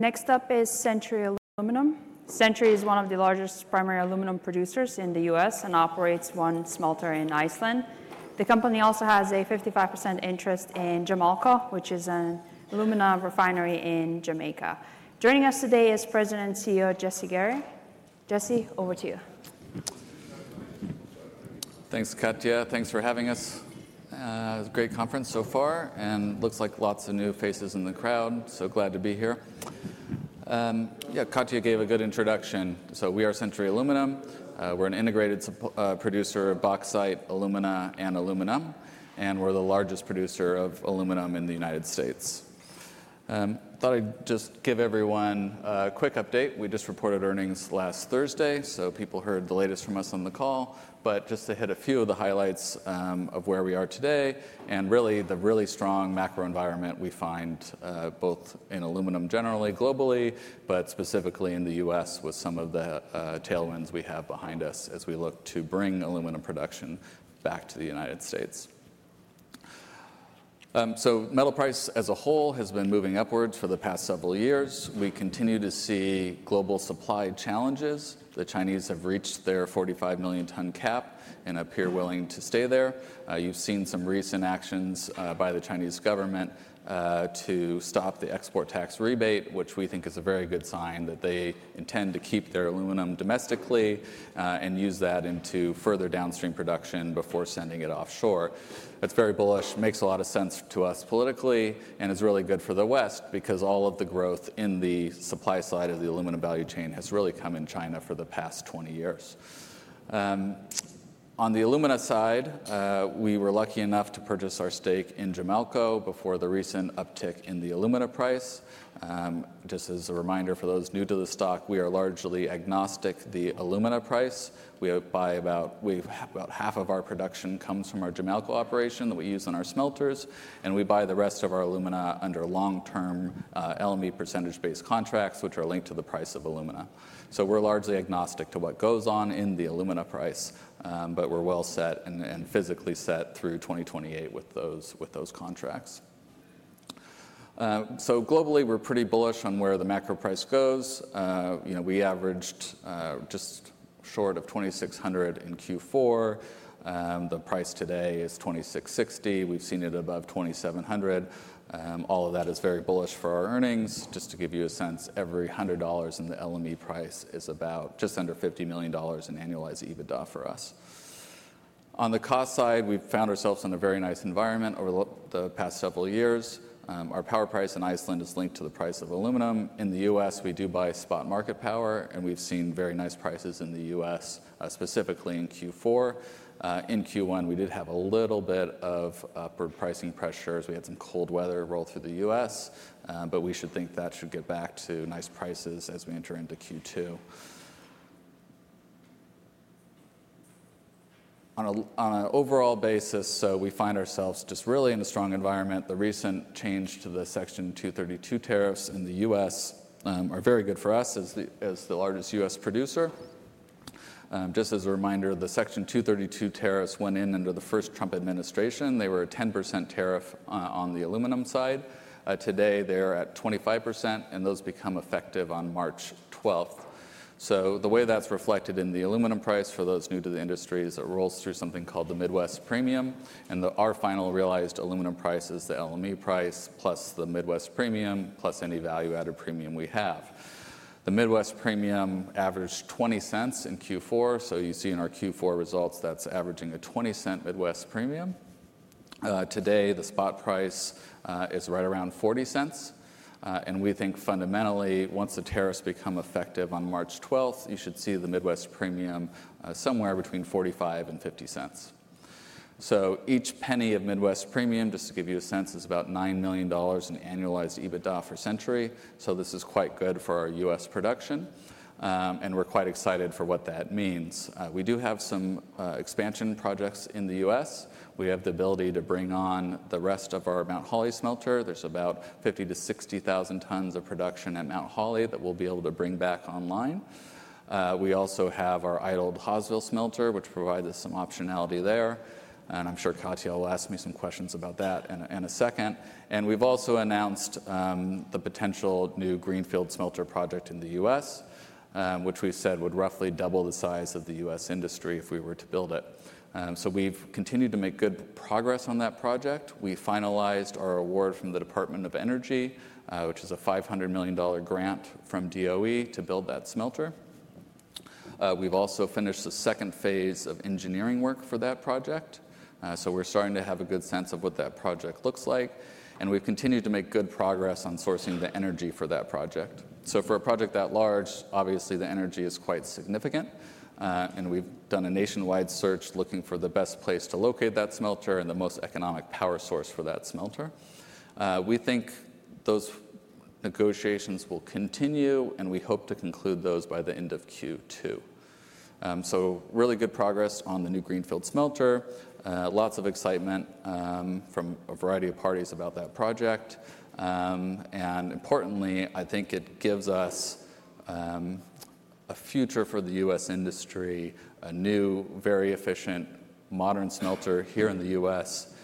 Next up is Century aluminum. Century is one of the largest primary aluminum producers in the U.S. and operates one smelter in Iceland. The company also has a 55% interest in Jamalco, which is an aluminum refinery in Jamaica. Joining us today is President and CEO Jesse Gary. Jesse, over to you. Thanks, Katya. Thanks for having us. Great conference so far, and looks like lots of new faces in the crowd, so glad to be here. Yeah, Katya gave a good introduction, so we are Century aluminum. We're an integrated producer of bauxite, alumina, and aluminum, and we're the largest producer of aluminum in the United States. I thought I'd just give everyone a quick update. We just reported earnings last Thursday, so people heard the latest from us on the call. But just to hit a few of the highlights of where we are today and really the strong macro environment we find both in aluminum generally globally, but specifically in the U.S. with some of the tailwinds we have behind us as we look to bring aluminum production back to the United States, so metal price as a whole has been moving upwards for the past several years. We continue to see global supply challenges. The Chinese have reached their 45 million ton cap and appear willing to stay there. You've seen some recent actions by the Chinese government to stop the export tax rebate, which we think is a very good sign that they intend to keep their aluminum domestically and use that into further downstream production before sending it offshore. That's very bullish, makes a lot of sense to us politically, and is really good for the West because all of the growth in the supply side of the aluminum value chain has really come in China for the past 20 years. On the aluminum side, we were lucky enough to purchase our stake in Jamalco before the recent uptick in the aluminum price. Just as a reminder for those new to the stock, we are largely agnostic to the aluminum price. We buy about half of our production comes from our Jamalco operation that we use on our smelters, and we buy the rest of our aluminum under long-term LME percentage-based contracts, which are linked to the price of aluminum. So we're largely agnostic to what goes on in the aluminum price, but we're well set and physically set through 2028 with those contracts. So globally, we're pretty bullish on where the macro price goes. We averaged just short of 2,600 in Q4. The price today is 2,660. We've seen it above 2,700. All of that is very bullish for our earnings. Just to give you a sense, every $100 in the LME price is about just under $50 million in annualized EBITDA for us. On the cost side, we've found ourselves in a very nice environment over the past several years. Our power price in Iceland is linked to the price of aluminum. In the U.S., we do buy spot market power, and we've seen very nice prices in the U.S., specifically in Q4. In Q1, we did have a little bit of upward pricing pressure as we had some cold weather roll through the U.S., but we should think that should get back to nice prices as we enter into Q2. On an overall basis, so we find ourselves just really in a strong environment. The recent change to the Section 232 tariffs in the U.S. is very good for us as the largest U.S. producer. Just as a reminder, the Section 232 tariffs went in under the first Trump administration. They were a 10% tariff on the aluminum side. Today, they're at 25%, and those become effective on March 12th. The way that's reflected in the aluminum price for those new to the industry is it rolls through something called the Midwest Premium, and our final realized aluminum price is the LME price plus the Midwest Premium plus any value-added premium we have. The Midwest Premium averaged $0.20 in Q4, so you see in our Q4 results that's averaging a $0.20 Midwest Premium. Today, the spot price is right around $0.40, and we think fundamentally, once the tariffs become effective on March 12th, you should see the Midwest Premium somewhere between $0.45 and $0.50. So each penny of Midwest Premium, just to give you a sense, is about $9 million in annualized EBITDA for Century, so this is quite good for our US production, and we're quite excited for what that means. We do have some expansion projects in the US. We have the ability to bring on the rest of our Mount Holly smelter. There's about 50,000-60,000 tons of production at Mount Holly that we'll be able to bring back online. We also have our idled Hawesville smelter, which provides us some optionality there, and I'm sure Katya will ask me some questions about that in a second, and we've also announced the potential new greenfield smelter project in the U.S., which we've said would roughly double the size of the U.S. industry if we were to build it, so we've continued to make good progress on that project. We finalized our award from the Department of Energy, which is a $500 million grant from DOE to build that smelter. We've also finished the second phase of engineering work for that project, so we're starting to have a good sense of what that project looks like, and we've continued to make good progress on sourcing the energy for that project, so for a project that large, obviously the energy is quite significant, and we've done a nationwide search looking for the best place to locate that smelter and the most economic power source for that smelter. We think those negotiations will continue, and we hope to conclude those by the end of Q2, so really good progress on the new greenfield smelter, lots of excitement from a variety of parties about that project, and importantly, I think it gives us a future for the U.S. industry, a new, very efficient, modern smelter here in the U.S.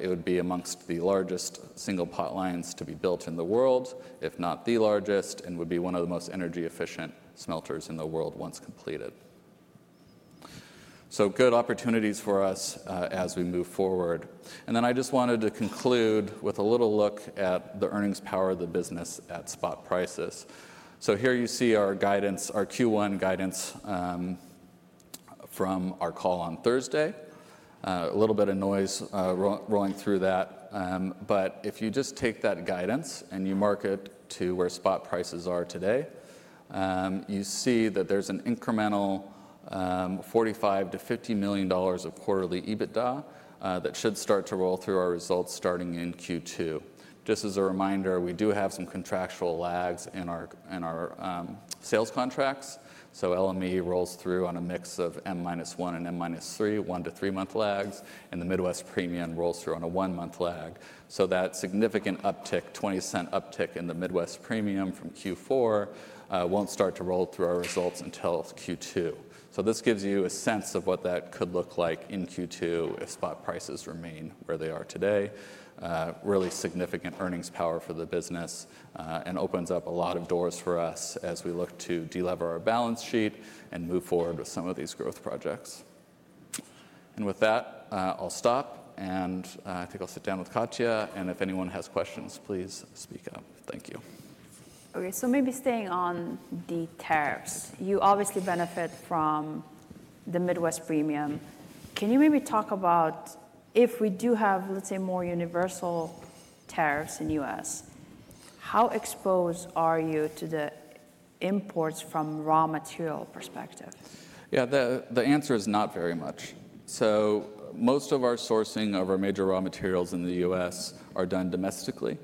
It would be among the largest single potlines to be built in the world, if not the largest, and would be one of the most energy-efficient smelters in the world once completed. There are good opportunities for us as we move forward. Then I just wanted to conclude with a little look at the earnings power of the business at spot prices. Here you see our guidance, our Q1 guidance from our call on Thursday. A little bit of noise rolling through that, but if you just take that guidance and you mark it to where spot prices are today, you see that there's an incremental $45-$50 million of quarterly EBITDA that should start to roll through our results starting in Q2. Just as a reminder, we do have some contractual lags in our sales contracts, so LME rolls through on a mix of M-1 and M-3, one to three-month lags, and the Midwest Premium rolls through on a one-month lag. So that significant uptick, $0.20 uptick in the Midwest Premium from Q4, won't start to roll through our results until Q2. So this gives you a sense of what that could look like in Q2 if spot prices remain where they are today. Really significant earnings power for the business and opens up a lot of doors for us as we look to delever our balance sheet and move forward with some of these growth projects. And with that, I'll stop, and I think I'll sit down with Katya, and if anyone has questions, please speak up. Thank you. Okay, so maybe staying on the tariffs, you obviously benefit from the Midwest Premium. Can you maybe talk about if we do have, let's say, more universal tariffs in the U.S., how exposed are you to the imports from raw material perspective? Yeah, the answer is not very much. So most of our sourcing of our major raw materials in the U.S. are done domestically.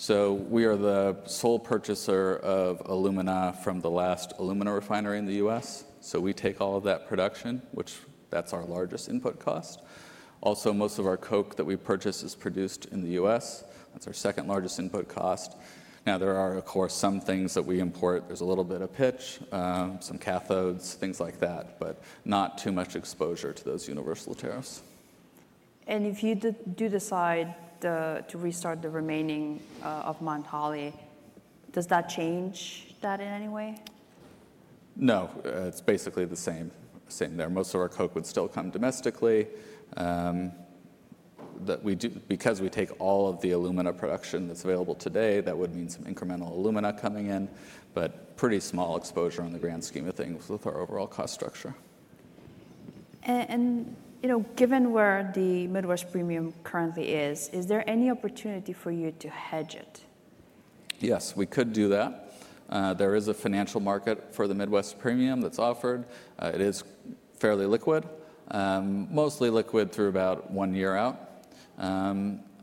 So we are the sole purchaser of aluminum from the last aluminum refinery in the U.S., so we take all of that production, which, that's our largest input cost. Also, most of our coke that we purchase is produced in the U.S. That's our second largest input cost. Now, there are, of course, some things that we import. There's a little bit of pitch, some cathodes, things like that, but not too much exposure to those universal tariffs. If you do decide to restart the remaining of Mount Holly, does that change that in any way? No, it's basically the same there. Most of our coke would still come domestically. Because we take all of the aluminum production that's available today, that would mean some incremental aluminum coming in, but pretty small exposure on the grand scheme of things with our overall cost structure. Given where the Midwest Premium currently is, is there any opportunity for you to hedge it? Yes, we could do that. There is a financial market for the Midwest Premium that's offered. It is fairly liquid, mostly liquid through about one year out.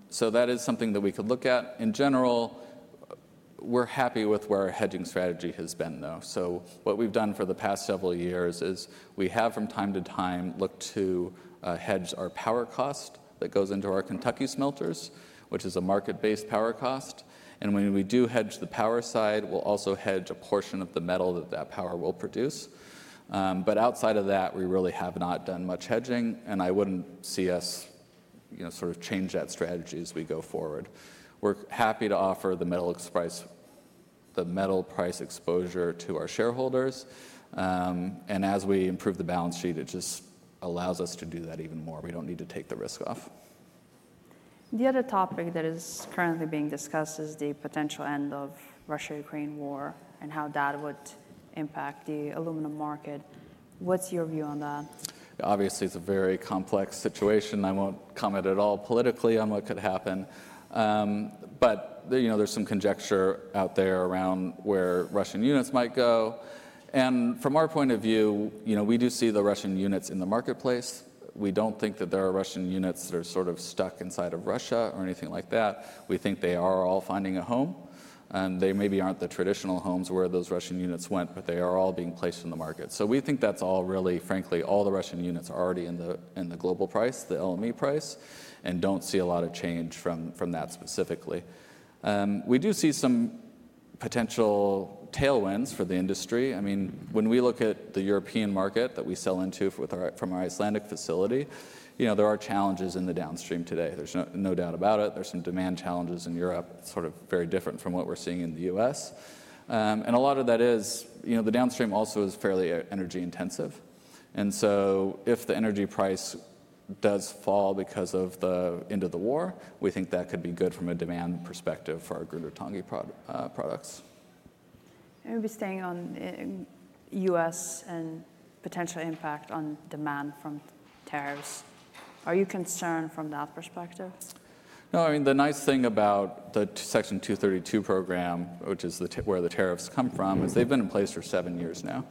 So that is something that we could look at. In general, we're happy with where our hedging strategy has been, though. So what we've done for the past several years is we have, from time to time, looked to hedge our power cost that goes into our Kentucky smelters, which is a market-based power cost. And when we do hedge the power side, we'll also hedge a portion of the metal that that power will produce. But outside of that, we really have not done much hedging, and I wouldn't see us sort of change that strategy as we go forward. We're happy to offer the metal price exposure to our shareholders, and as we improve the balance sheet, it just allows us to do that even more. We don't need to take the risk off. The other topic that is currently being discussed is the potential end of the Russia-Ukraine war and how that would impact the aluminum market. What's your view on that? Obviously, it's a very complex situation. I won't comment at all politically on what could happen, but there's some conjecture out there around where Russian units might go, and from our point of view, we do see the Russian units in the marketplace. We don't think that there are Russian units that are sort of stuck inside of Russia or anything like that. We think they are all finding a home, and they maybe aren't the traditional homes where those Russian units went, but they are all being placed in the market, so we think that's all really, frankly, all the Russian units are already in the global price, the LME price, and don't see a lot of change from that specifically. We do see some potential tailwinds for the industry. I mean, when we look at the European market that we sell into from our Icelandic facility, there are challenges in the downstream today. There's no doubt about it. There's some demand challenges in Europe, sort of very different from what we're seeing in the U.S. And a lot of that is the downstream also is fairly energy intensive. And so if the energy price does fall because of the end of the war, we think that could be good from a demand perspective for our Grundartangi products. Maybe staying on U.S. and potential impact on demand from tariffs, are you concerned from that perspective? No, I mean, the nice thing about the Section 232 program, which is where the tariffs come from, is they've been in place for seven years now.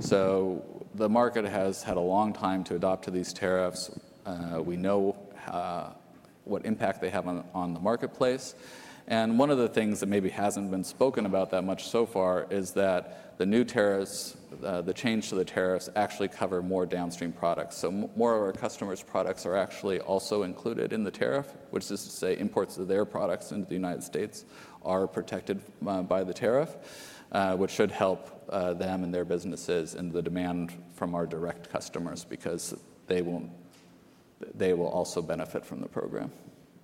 So the market has had a long time to adapt to these tariffs. We know what impact they have on the marketplace. And one of the things that maybe hasn't been spoken about that much so far is that the new tariffs, the change to the tariffs actually cover more downstream products. So more of our customers' products are actually also included in the tariff, which is to say imports of their products into the United States are protected by the tariff, which should help them and their businesses and the demand from our direct customers because they will also benefit from the program.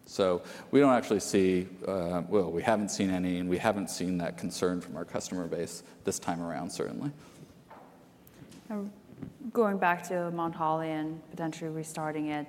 So we don't actually see, well, we haven't seen any, and we haven't seen that concern from our customer base this time around, certainly. Going back to Mount Holly and potentially restarting it,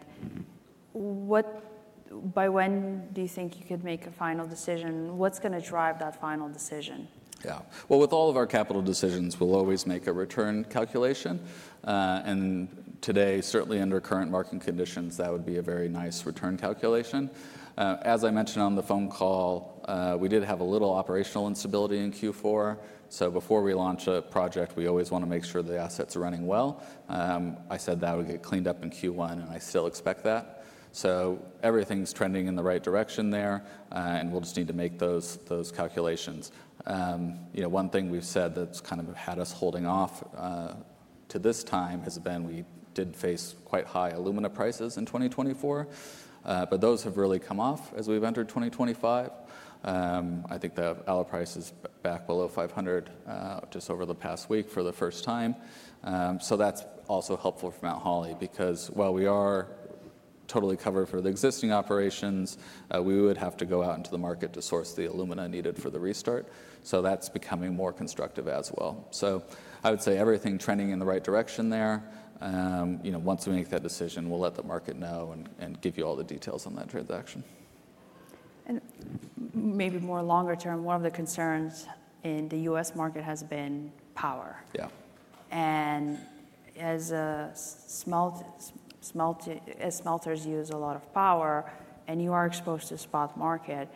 by when do you think you could make a final decision? What's going to drive that final decision? Yeah, well, with all of our capital decisions, we'll always make a return calculation, and today, certainly under current market conditions, that would be a very nice return calculation. As I mentioned on the phone call, we did have a little operational instability in Q4, so before we launch a project, we always want to make sure the assets are running well. I said that would get cleaned up in Q1, and I still expect that. So everything's trending in the right direction there, and we'll just need to make those calculations. One thing we've said that's kind of had us holding off to this time has been we did face quite high aluminum prices in 2024, but those have really come off as we've entered 2025. I think the alloy price is back below $500 just over the past week for the first time. So that's also helpful for Mount Holly because while we are totally covered for the existing operations, we would have to go out into the market to source the aluminum needed for the restart. So I would say everything's trending in the right direction there. Once we make that decision, we'll let the market know and give you all the details on that transaction. Maybe more longer term, one of the concerns in the U.S. market has been power. Yeah. As smelters use a lot of power and you are exposed to spot market,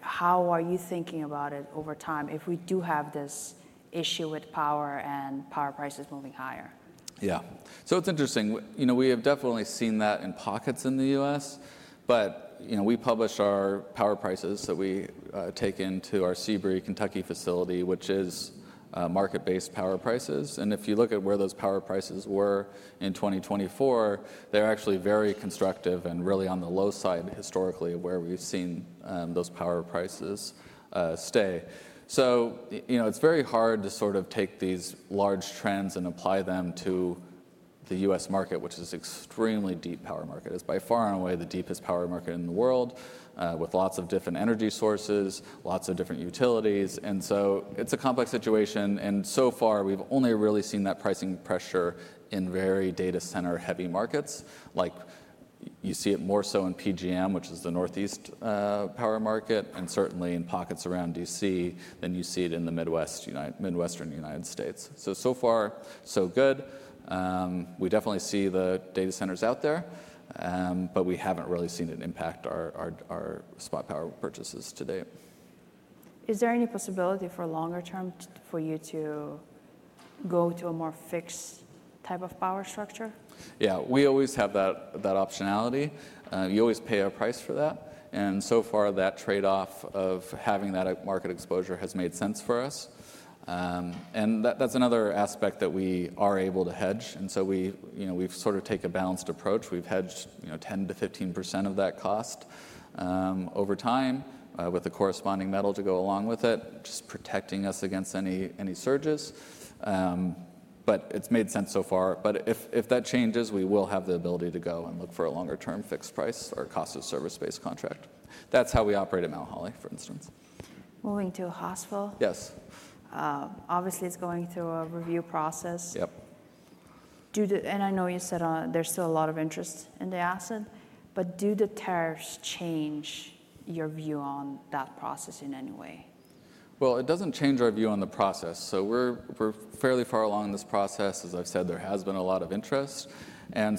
how are you thinking about it over time if we do have this issue with power and power prices moving higher? Yeah, so it's interesting. We have definitely seen that in pockets in the U.S., but we publish our power prices that we take into our Sebree, Kentucky facility, which is market-based power prices. And if you look at where those power prices were in 2024, they're actually very constructive and really on the low side historically of where we've seen those power prices stay. So it's very hard to sort of take these large trends and apply them to the U.S. market, which is an extremely deep power market. It's by far and away the deepest power market in the world with lots of different energy sources, lots of different utilities. And so it's a complex situation, and so far we've only really seen that pricing pressure in very data center-heavy markets. Like you see it more so in PJM, which is the Northeast power market, and certainly in pockets around DC than you see it in the Midwestern United States. So far, so good. We definitely see the data centers out there, but we haven't really seen it impact our spot power purchases to date. Is there any possibility for longer term for you to go to a more fixed type of power structure? Yeah, we always have that optionality. You always pay a price for that, and so far that trade-off of having that market exposure has made sense for us. And that's another aspect that we are able to hedge, and so we've sort of taken a balanced approach. We've hedged 10%-15% of that cost over time with the corresponding metal to go along with it, just protecting us against any surges. But it's made sense so far. But if that changes, we will have the ability to go and look for a longer-term fixed price or cost of service-based contract. That's how we operate at Mount Holly, for instance. Moving to Hawesville Yes. Obviously, it's going through a review process. Yep. I know you said there's still a lot of interest in the asset, but do the tariffs change your view on that process in any way? It doesn't change our view on the process. We're fairly far along in this process. As I've said, there has been a lot of interest, and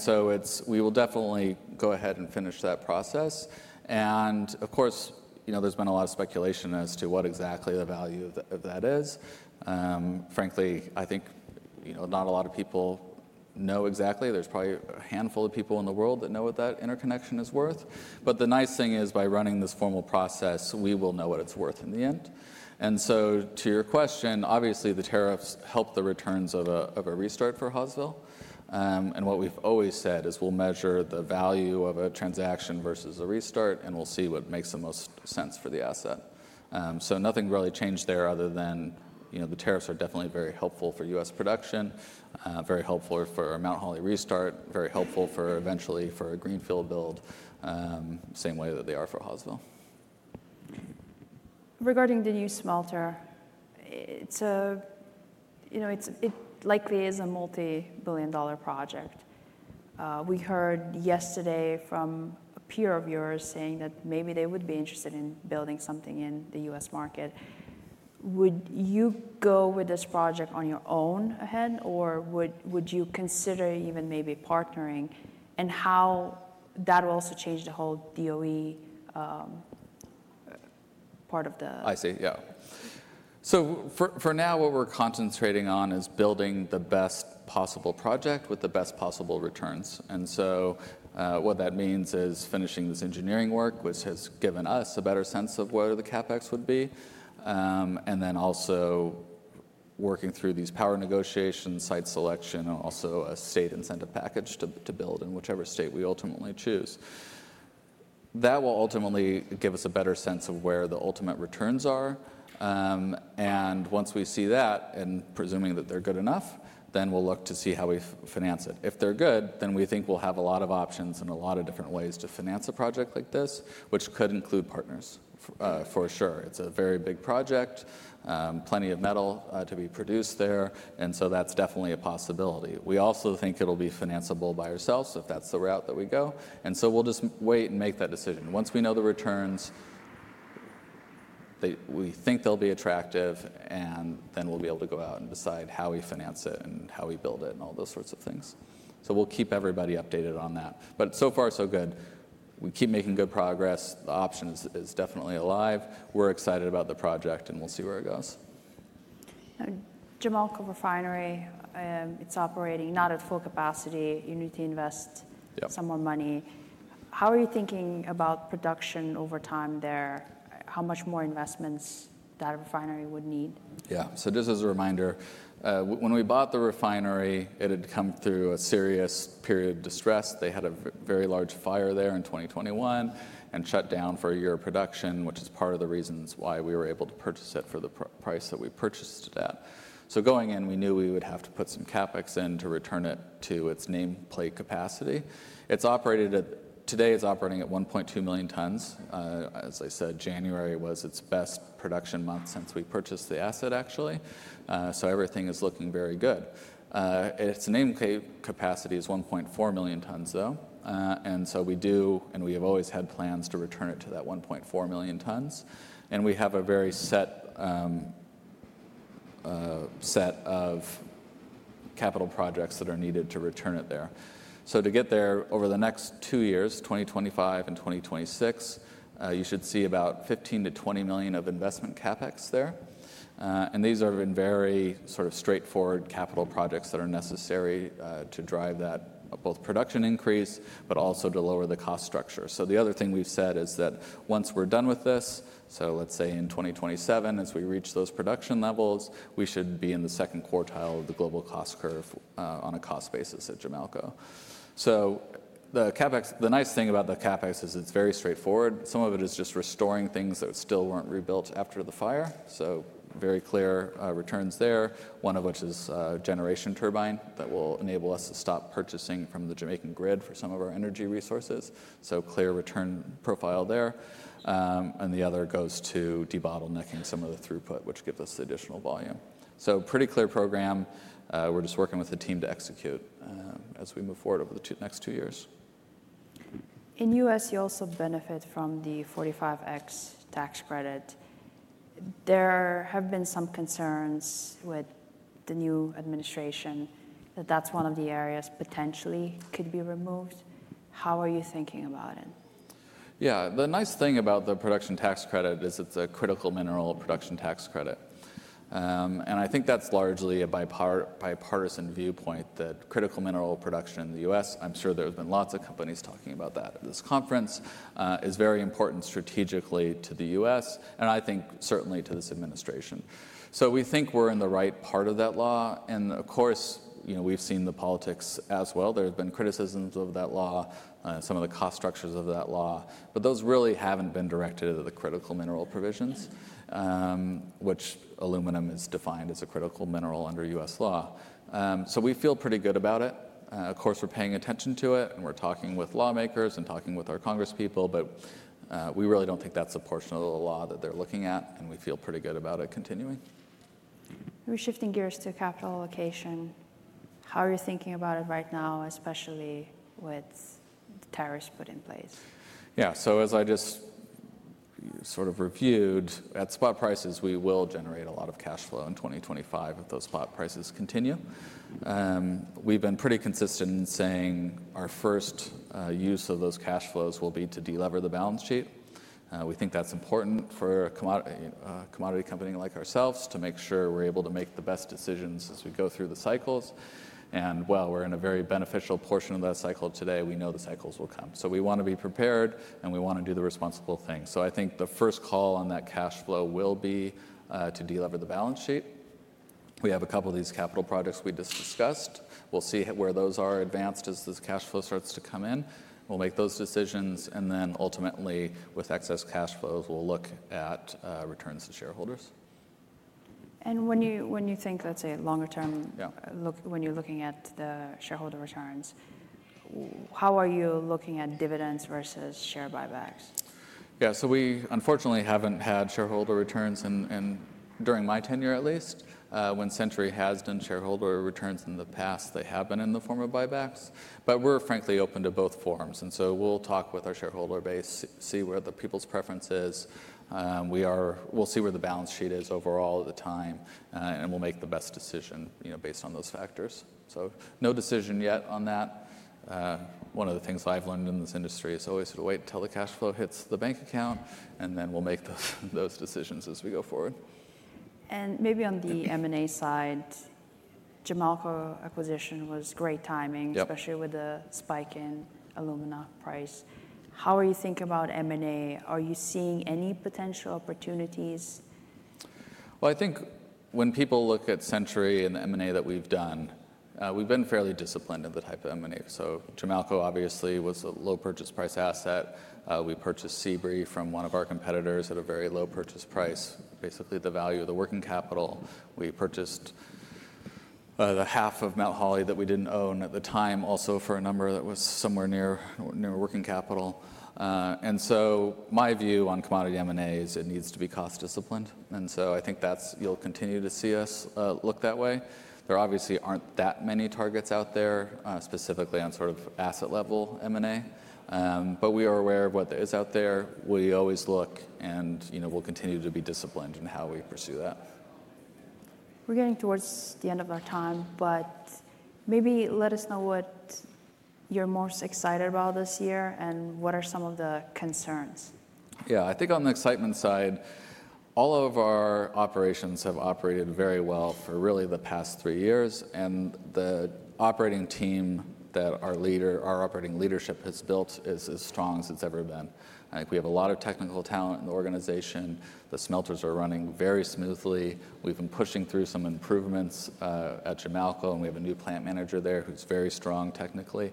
we will definitely go ahead and finish that process. Of course, there's been a lot of speculation as to what exactly the value of that is. Frankly, I think not a lot of people know exactly. There's probably a handful of people in the world that know what that interconnection is worth. The nice thing is by running this formal process, we will know what it's worth in the end. To your question, obviously the tariffs help the returns of a restart for Hawesville. What we've always said is we'll measure the value of a transaction versus a restart, and we'll see what makes the most sense for the asset. So nothing really changed there other than the tariffs are definitely very helpful for U.S. production, very helpful for a Mount Holly restart, very helpful eventually for a greenfield build, same way that they are for Hawesville. Regarding the new smelter, it likely is a multi-billion-dollar project. We heard yesterday from a peer of yours saying that maybe they would be interested in building something in the U.S. market. Would you go with this project on your own ahead, or would you consider even maybe partnering, and how that will also change the whole DOE part of the? I see, yeah, so for now, what we're concentrating on is building the best possible project with the best possible returns, and so what that means is finishing this engineering work, which has given us a better sense of where the CapEx would be, and then also working through these power negotiations, site selection, and also a state incentive package to build in whichever state we ultimately choose. That will ultimately give us a better sense of where the ultimate returns are, and once we see that and presuming that they're good enough, then we'll look to see how we finance it. If they're good, then we think we'll have a lot of options and a lot of different ways to finance a project like this, which could include partners for sure. It's a very big project, plenty of metal to be produced there, and so that's definitely a possibility. We also think it'll be financeable by ourselves if that's the route that we go. And so we'll just wait and make that decision. Once we know the returns, we think they'll be attractive, and then we'll be able to go out and decide how we finance it and how we build it and all those sorts of things. So we'll keep everybody updated on that. But so far, so good. We keep making good progress. The option is definitely alive. We're excited about the project, and we'll see where it goes. Jamalco refinery, it's operating not at full capacity. Our investment. Yep. Some more money. How are you thinking about production over time there? How much more investments that refinery would need? Yeah, so just as a reminder, when we bought the refinery, it had come through a serious period of distress. They had a very large fire there in 2021 and shut down for a year of production, which is part of the reasons why we were able to purchase it for the price that we purchased it at. So going in, we knew we would have to put some CapEx in to return it to its nameplate capacity. It's operated at today, it's operating at 1.2 million tons. As I said, January was its best production month since we purchased the asset, actually. So everything is looking very good. Its nameplate capacity is 1.4 million tons, though, and so we do, and we have always had plans to return it to that 1.4 million tons. We have a very set of capital projects that are needed to return it there. So to get there over the next two years, 2025 and 2026, you should see about $15-$20 million of investment CapEx there. And these are in very sort of straightforward capital projects that are necessary to drive that both production increase, but also to lower the cost structure. So the other thing we've said is that once we're done with this, so let's say in 2027, as we reach those production levels, we should be in the second quartile of the global cost curve on a cost basis at Jamaica. So the CapEx, the nice thing about the CapEx is it's very straightforward. Some of it is just restoring things that still weren't rebuilt after the fire. So very clear returns there, one of which is a generation turbine that will enable us to stop purchasing from the Jamaican grid for some of our energy resources. So clear return profile there. And the other goes to debottlenecking some of the throughput, which gives us the additional volume. So pretty clear program. We're just working with the team to execute as we move forward over the next two years. In U.S., you also benefit from the 45X tax credit. There have been some concerns with the new administration that that's one of the areas potentially could be removed. How are you thinking about it? Yeah, the nice thing about the production tax credit is it's a critical mineral production tax credit. And I think that's largely a bipartisan viewpoint that critical mineral production in the U.S., I'm sure there have been lots of companies talking about that at this conference, is very important strategically to the U.S., and I think certainly to this administration. So we think we're in the right part of that law. And of course, we've seen the politics as well. There have been criticisms of that law, some of the cost structures of that law, but those really haven't been directed at the critical mineral provisions, which aluminum is defined as a critical mineral under U.S. law. So we feel pretty good about it. Of course, we're paying attention to it, and we're talking with lawmakers and talking with our congresspeople, but we really don't think that's a portion of the law that they're looking at, and we feel pretty good about it continuing. We're shifting gears to capital allocation. How are you thinking about it right now, especially with the tariffs put in place? Yeah, so as I just sort of reviewed, at spot prices, we will generate a lot of cash flow in 2025 if those spot prices continue. We've been pretty consistent in saying our first use of those cash flows will be to delever the balance sheet. We think that's important for a commodity company like ourselves to make sure we're able to make the best decisions as we go through the cycles. And while we're in a very beneficial portion of that cycle today, we know the cycles will come. So we want to be prepared, and we want to do the responsible thing. So I think the first call on that cash flow will be to delever the balance sheet. We have a couple of these capital projects we just discussed. We'll see where those are advanced as this cash flow starts to come in. We'll make those decisions, and then ultimately, with excess cash flows, we'll look at returns to shareholders. When you think that's a longer term. Yeah. When you're looking at the shareholder returns, how are you looking at dividends versus share buybacks? Yeah, so we unfortunately haven't had shareholder returns during my tenure at least. When Century has done shareholder returns in the past, they have been in the form of buybacks, but we're frankly open to both forms, and so we'll talk with our shareholder base, see where the people's preference is. We'll see where the balance sheet is overall at the time, and we'll make the best decision based on those factors, so no decision yet on that. One of the things I've learned in this industry is always to wait until the cash flow hits the bank account, and then we'll make those decisions as we go forward. And maybe on the M&A side, Jamaica acquisition was great timing. Yeah. Especially with the spike in aluminum price. How are you thinking about M&A? Are you seeing any potential opportunities? I think when people look at Century and the M&A that we've done, we've been fairly disciplined in the type of M&A. Jamaica obviously was a low purchase price asset. We purchased Sebree from one of our competitors at a very low purchase price, basically the value of the working capital. We purchased the half of Mount Holly that we didn't own at the time, also for a number that was somewhere near working capital. My view on commodity M&A is it needs to be cost disciplined. I think that's how you'll continue to see us look that way. There obviously aren't that many targets out there specifically on sort of asset level M&A, but we are aware of what is out there. We always look, and we'll continue to be disciplined in how we pursue that. We're getting towards the end of our time, but maybe let us know what you're most excited about this year and what are some of the concerns? Yeah, I think on the excitement side, all of our operations have operated very well for really the past three years, and the operating team that our leader, our operating leadership has built is as strong as it's ever been. I think we have a lot of technical talent in the organization. The smelters are running very smoothly. We've been pushing through some improvements at Jamaica, and we have a new plant manager there who's very strong technically.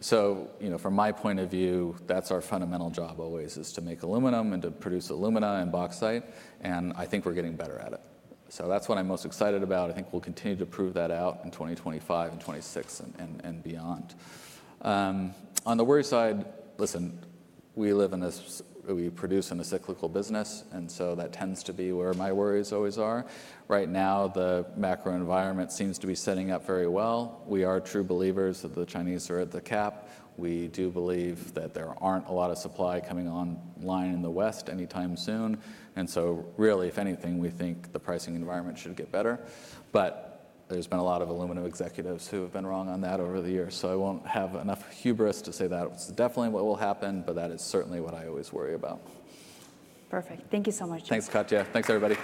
So from my point of view, that's our fundamental job always is to make aluminum and to produce aluminum and bauxite, and I think we're getting better at it. So that's what I'm most excited about. I think we'll continue to prove that out in 2025 and 2026 and beyond. On the worry side, listen, we live and produce in a cyclical business, and so that tends to be where my worries always are. Right now, the macro environment seems to be setting up very well. We are true believers that the Chinese are at the cap. We do believe that there aren't a lot of supply coming online in the West anytime soon, and so really, if anything, we think the pricing environment should get better, but there's been a lot of aluminum executives who have been wrong on that over the years, so I won't have enough hubris to say that it's definitely what will happen, but that is certainly what I always worry about. Perfect. Thank you so much. Thanks, Katya. Thanks, everybody.